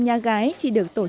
đám cưới thường được kéo dài